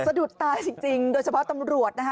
สะดุดตายจริงโดยเฉพาะตำรวจนะคะ